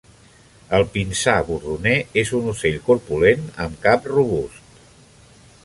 El pinsà borroner és un ocell corpulent amb cap robust.